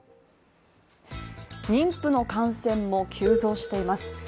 妊婦の感染も急増しています。